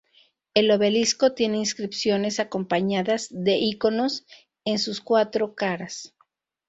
El obelisco tiene inscripciones acompañadas de íconos en sus cuatro caras.